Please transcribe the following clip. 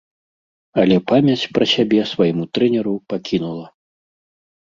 Але памяць пра сябе свайму трэнеру пакінула.